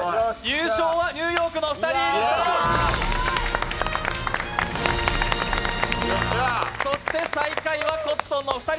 優勝はニューヨークのお二人！